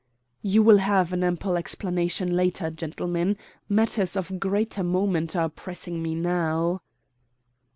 "You will have an ample explanation later, gentlemen. Matters of greater moment are pressing me now."